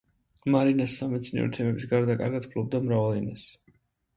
მარინა სამეცნიერო თემების გარდა კარგად ფლობდა მრავალ ენას.